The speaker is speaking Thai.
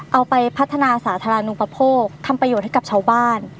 เอาไปพัฒนาสาธารณูปโภคทำประโยชน์ให้กับชาวบ้าน